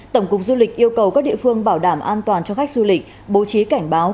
tổng cục du lịch yêu cầu các địa phương bảo đảm an toàn cho khách du lịch bố trí cảnh báo